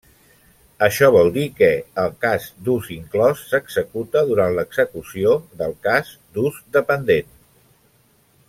Això vol dir que el cas d'ús inclòs s'executa durant l'execució del cas d'ús dependent.